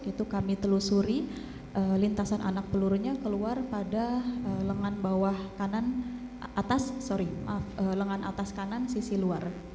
itu kami telusuri lintasan anak pelurunya keluar pada lengan atas kanan sisi luar